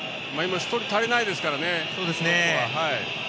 １人足りないですからね